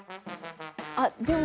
あっでも。